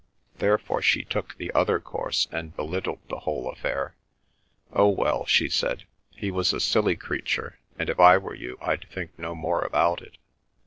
Therefore she took the other course and belittled the whole affair. "Oh, well," she said, "He was a silly creature, and if I were you, I'd think no more about it."